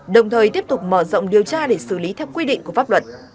đồng thời tiếp tục mở rộng điều tra để xử lý theo quy định của pháp luật